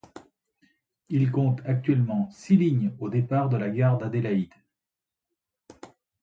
Il compte actuellement six lignes au départ de la gare d'Adélaïde.